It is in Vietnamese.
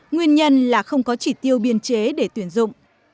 nguyên nhân là không có chỉ tiêu biên chế để tuyển dụng